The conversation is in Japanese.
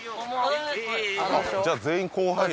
じゃ全員後輩や